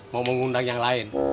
mau mengundang yang lain